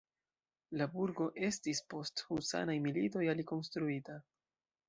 La burgo estis post husanaj militoj alikonstruita.